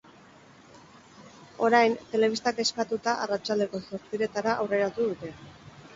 Orain, telebistak eskatuta arratsaldeko zortziretara aurreratu dute.